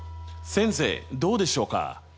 先生どうでしょうか？